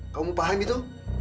kamu paham itu